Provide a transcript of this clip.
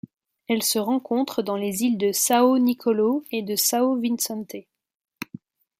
Elle se rencontre dans les îles de São Nicolau et de São Vicente.